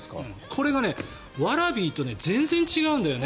これがワラビーと全然違うんだよね。